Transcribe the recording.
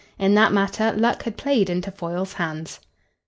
In that matter luck had played into Foyle's hands.